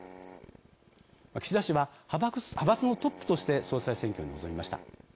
岸田氏は派閥のトップとして総裁選挙に臨みました。